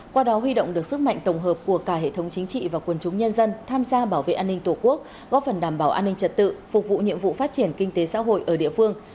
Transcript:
qua đó huy động được sức mạnh tổng hợp của cả hệ thống chính trị và quân chúng nhân dân tham gia bảo vệ an ninh tổ quốc góp phần đảm bảo an ninh trật tự phục vụ nhiệm vụ phát triển kinh tế xã hội ở địa phương